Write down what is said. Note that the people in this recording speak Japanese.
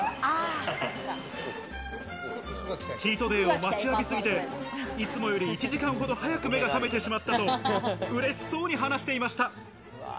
チートデイを待ちわびすぎて、いつもより１時間ほど早く目が覚めてしまったと、うれしそうに話していました。